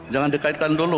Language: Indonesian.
jangan dikaitkan dulu